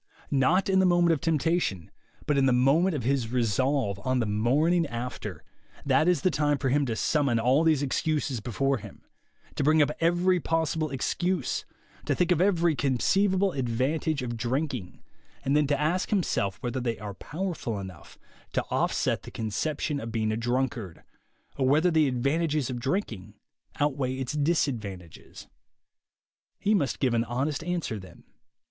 Not in the moment of temptation, but in the moment of his resolve, on "the morning after,'' that is the time for him to summon all these excuses before him, to bring up every possible excuse, to think of every conceivable advantage of drinking, and then to ask himself whether they are powerful enough to offset the conception of being a drunkard, or whether the advantages of drinking outweigh its disadvantages. He must give an honest answer then.